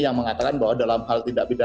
yang mengatakan bahwa dalam peradilan militer